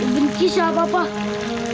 benci siapa pak